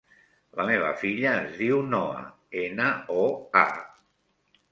La meva filla es diu Noa: ena, o, a.